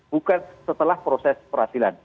bukan setelah proses perhasilan